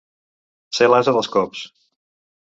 Ser l'ase dels cops.